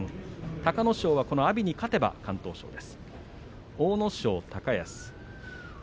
隆の勝はきょう勝てば敢闘賞受賞です。